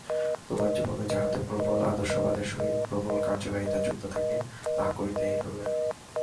তোমাদের জীবনে যাহাতে প্রবল আদর্শবাদের সহিত প্রবল কার্যকারিতা যুক্ত থাকে, তাহা করিতে হইবে।